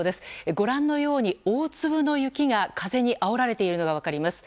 ご覧のように、大粒の雪が風にあおられているのが分かります。